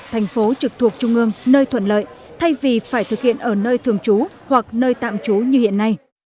thành phố trực thuộc trung ương nơi thuận lợi thay vì phải thực hiện ở nơi thường trú hoặc nơi tạm trú như hiện nay